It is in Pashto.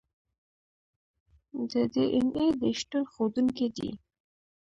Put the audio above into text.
د ډي این اې د شتون ښودونکي دي.